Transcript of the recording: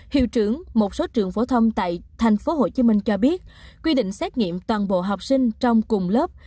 hiệu trưởng một số trường phổ thông tại tp hcm cho biết quy định xét nghiệm toàn bộ học sinh trong cùng lớp